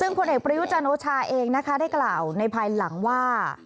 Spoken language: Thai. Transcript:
ซึ่งผลเอกประยุจันโอชาเองนะคะได้กล่าวในภายหลังว่า